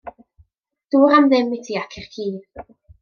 Dŵr am ddim i ti ac i'r ci!